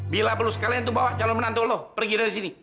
bila perlu sekalian itu bawa calon menantu lo pergi dari sini